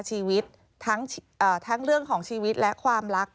ชีวิตทั้งเรื่องของชีวิตและความรัก